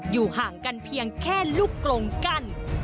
อยู่ห่างกันเพียงแค่ลูกกลงกั้น